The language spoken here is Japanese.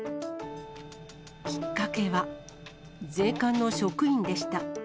きっかけは、税関の職員でした。